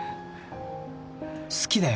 好きだよ